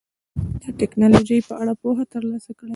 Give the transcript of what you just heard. د ټکنالوژۍ په اړه پوهه ترلاسه کړئ.